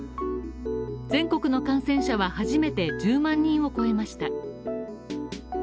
全国の感染者は初めて１０万人を超えました。